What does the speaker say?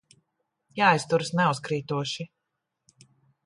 Jāizturas neuzkrītoši.